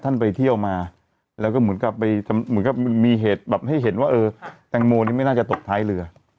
ท่านไปเที่ยวมาแล้วก็เหมือนกับมีเหตุแบบให้เห็นว่าเออแตงโมนี้ไม่น่าจะตกท้ายเรือ